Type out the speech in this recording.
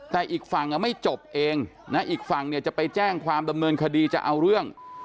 แต่อีกฝั่งไม่จบเองนะอีกฝั่งเนี่ยจะไปแจ้งความดำเนินคดีจะเอาเรื่อง